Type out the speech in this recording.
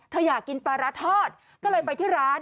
อยากกินปลาร้าทอดก็เลยไปที่ร้าน